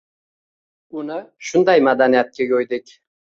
Uni sunday madaniyatga yoʻydik